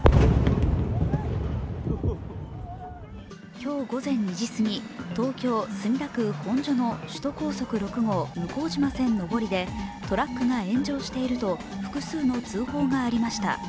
今日午前２時過ぎ、東京・墨田区本所の首都高速６号線向島上りでトラックが炎上していると複数の通報がありました。